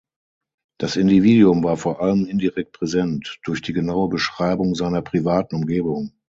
Das Individuum war vor allem indirekt präsent, durch die genaue Beschreibung seiner privaten Umgebung.